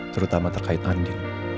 terutama terkait andi